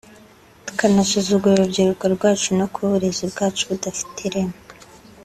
tukanasuzugura urubyiruko rwacu no kuba uburezi bwacu budafite ireme